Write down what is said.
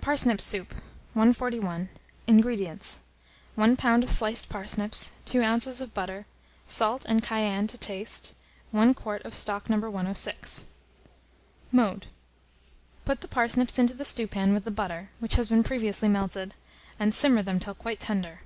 PARSNIP SOUP. 141. INGREDIENTS. 1 lb. of sliced parsnips, 2 oz. of butter, salt and cayenne to taste, 1 quart of stock No. 106. Mode. Put the parsnips into the stewpan with the butter, which has been previously melted, and simmer them till quite tender.